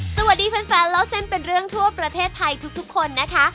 สวัสดีแฟนเล่าเส้นเป็นเรื่องทั่วประเทศไทยทุกคนนะคะ